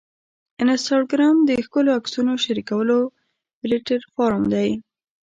انسټاګرام د ښکلو عکسونو شریکولو پلیټفارم دی.